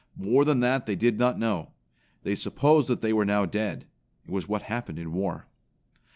More than that they did not know. They supposed that they were now dead. It was what happened in war.